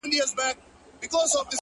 اوس هغه بل كور كي اوسيږي كنه،